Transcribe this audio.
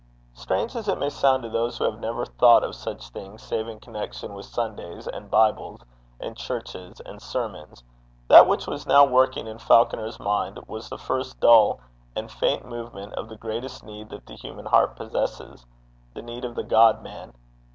Strange as it may sound to those who have never thought of such things save in connection with Sundays and Bibles and churches and sermons, that which was now working in Falconer's mind was the first dull and faint movement of the greatest need that the human heart possesses the need of the God Man.